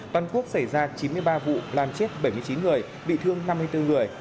toàn quốc xảy ra chín mươi ba vụ làm chết bảy mươi chín người bị thương năm mươi bốn người